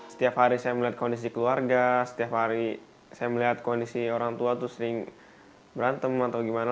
setiap hari saya melihat kondisi keluarga setiap hari saya melihat kondisi orang tua itu sering berantem atau gimana